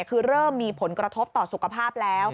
คือเริ่มมีผลกระทบต่อสุขภาพแล้ว